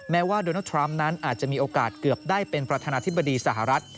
ว่าโดนัลดทรัมป์นั้นอาจจะมีโอกาสเกือบได้เป็นประธานาธิบดีสหรัฐ